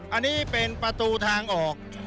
อันนี้เป็นประตูทางออก